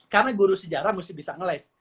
karena guru sejarah mesti bisa ngeles